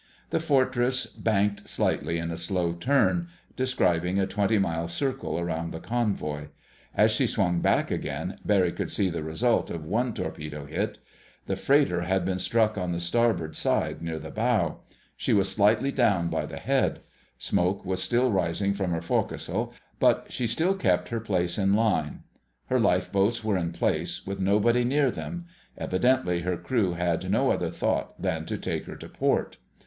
The Fortress banked slightly in a slow turn, describing a twenty mile circle around the convoy. As she swung back again, Barry could see the result of one torpedo hit. The freighter had been struck on the starboard side near the bow. She was slightly down by the head. Smoke was still rising from her forecastle, but she still kept her place in line. Her life boats were in place, with nobody near them. Evidently her crew had no other thought than to take her to port.